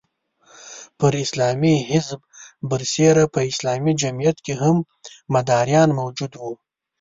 پر اسلامي حزب برسېره په اسلامي جمعیت کې هم مداریان موجود وو.